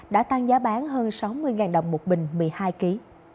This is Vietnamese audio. đã tăng giá bán hơn sáu mươi đồng một bình một mươi hai kg